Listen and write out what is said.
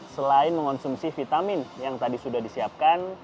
selain mengonsumsi vitamin yang tadi sudah disiapkan